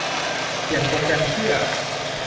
เขียนโปรแกรมเพื่อ